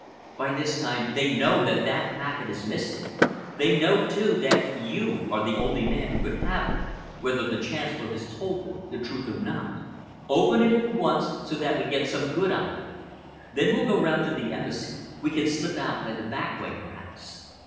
By this time they know that the packet is missing; they know, too, that you are the only man who could have it, whether the Chancellor has told them the truth or not. Open it at once so that we get some good out of it. Then we'll go round to the Embassy. We can slip out by the back way, perhaps.